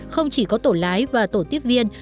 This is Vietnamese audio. không chỉ có tổ lái và tổ tiếp viên